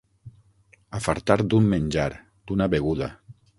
Afartar d'un menjar, d'una beguda.